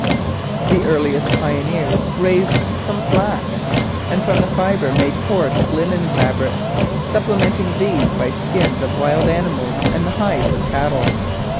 The earliest pioneers raised some flax, and from the fibre made coarse linen fabrics, supplementing these by skins of wild animals and the hides of cattle.